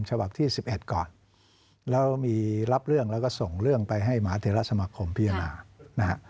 ฉบับที่๑๑ก่อนแล้วมีรับเรื่องแล้วก็ส่งเรื่องไปให้มหาเทราสมาคมพิจารณานะฮะ